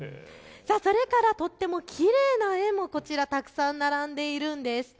それからとってもきれいな絵もこちらたくさん並んでいるんです。